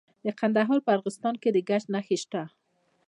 د کندهار په ارغستان کې د ګچ نښې شته.